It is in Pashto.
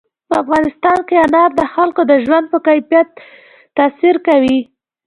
په افغانستان کې انار د خلکو د ژوند په کیفیت تاثیر کوي.